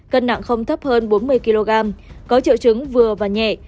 cân nặng không thấp hơn bốn mươi kg có triệu chứng vừa và nhẹ